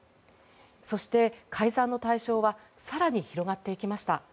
そして、改ざんの対象は更に広がっていきました。